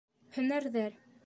Һөнәрҙәр